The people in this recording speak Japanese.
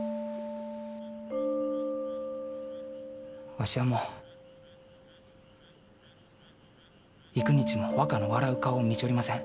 わしは、もう幾日も若の笑う顔を見ちょりません。